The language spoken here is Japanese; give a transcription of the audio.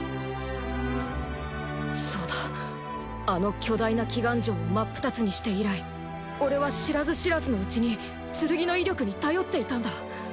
そうだあの巨大な鬼岩城を真っ二つにして以来俺は知らず知らずのうちに剣の威力に頼っていたんだ。